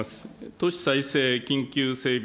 都市再生緊急整備